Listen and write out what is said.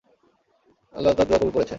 আল্লাহ তার দুআ কবুল করেছেন।